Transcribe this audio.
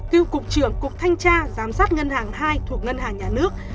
cựu cục trưởng cục thanh tra giám sát ngân hàng hai thuộc ngân hàng nhà nước